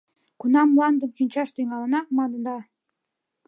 Кунам мландым кӱнчаш тӱҥалына, маныда?